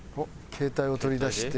携帯を取り出して。